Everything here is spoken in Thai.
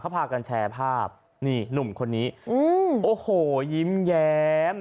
พากันแชร์ภาพนี่หนุ่มคนนี้อืมโอ้โหยิ้มแย้ม